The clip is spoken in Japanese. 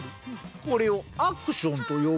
これをアクションと呼ぶんじゃよ。